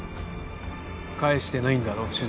返してないんだろ手術